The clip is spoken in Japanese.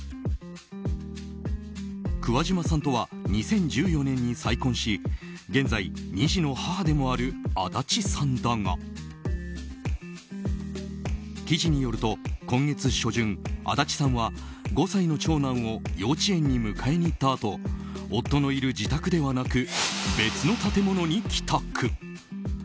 桑島さんとは２０１４年に再婚し現在２児の母でもある安達さんだが記事によると、今月初旬安達さんは５歳の長男を幼稚園に迎えに行ったあと夫のいる自宅ではなく別の建物に帰宅。